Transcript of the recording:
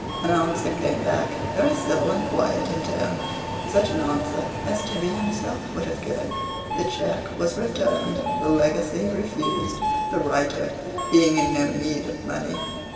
An answer came back, very civil and quiet in tone such an answer as Tibby himself would have given. The cheque was returned, the legacy refused, the writer being in no need of money.